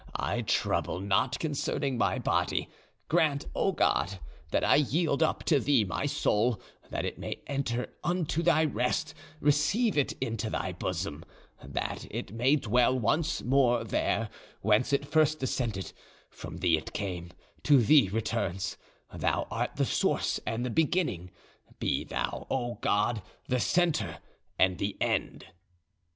I trouble not concerning my body; grant, O God, that I yield up to Thee my soul, that it may enter into Thy rest; receive it into Thy bosom; that it may dwell once more there, whence it first descended; from Thee it came, to Thee returns; Thou art the source and the beginning; be thou, O God, the centre and the end!"